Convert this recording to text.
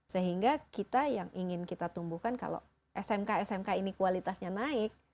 sehingga kita yang ingin kita tumbuhkan kalau smk smk ini kualitasnya naik